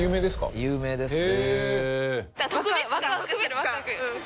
有名ですね。